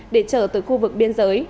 để chở từ khu vực biên giới